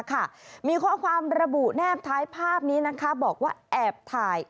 มีข้อความระบุแนบท้ายภาพนี้นะคะบอกว่าแอบถ่าย